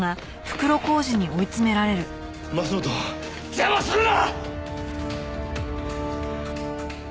邪魔するな！